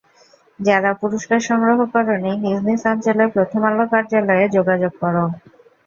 যারা পুরস্কার সংগ্রহ করোনি, নিজ নিজ অঞ্চলে প্রথম আলো কার্যালয়ে যোগাযোগ করো।